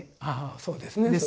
ああそうですね。